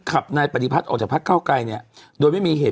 ขับนายปฏิพัฒน์ออกจากพักเก้าไกรเนี่ยโดยไม่มีเหตุ